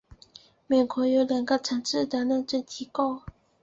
美国有两个层次的认证机构。